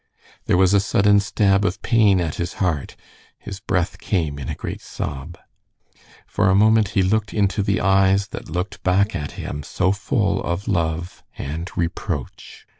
There was a sudden stab of pain at his heart, his breath came in a great sob. For a moment he looked into the eyes that looked back at him so full of love and reproach.